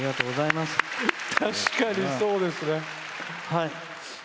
確かにそうですね。